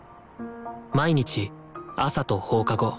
毎日朝と放課後